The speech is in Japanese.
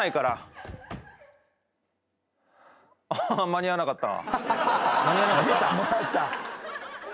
間に合わなかった？